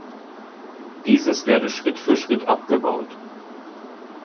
Dieses werde Schritt für Schritt abgebaut.